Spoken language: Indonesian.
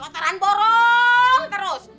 kotoran borong terus